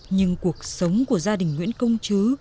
nhưng cuộc sống của gia đình nguyễn công chứ